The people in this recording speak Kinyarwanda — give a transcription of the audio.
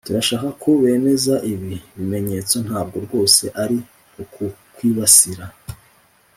"Turashaka ko bemeza ibi bimenyetso ntabwo rwose ari ukukwibasira